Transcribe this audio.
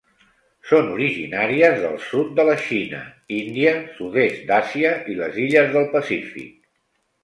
Són originàries del sud de la Xina, Índia, sud-est d’Àsia i les illes del Pacífic.